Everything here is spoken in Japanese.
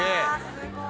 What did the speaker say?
すごい。